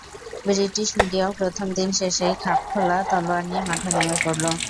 British মিডিয়াও প্রথম দিন শেষেই খাপ খোলা তলোয়ার নিয়ে মাঠে নেমে পড়ল।